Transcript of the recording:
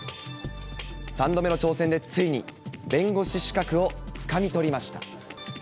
３度目の挑戦でついに弁護士資格をつかみ取りました。